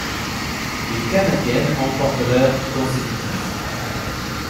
Les canadiennes emportent leur consécutif.